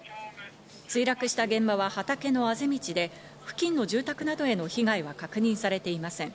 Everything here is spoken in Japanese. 墜落した現場は畑のあぜ道で、付近の住宅などへの被害は確認されていません。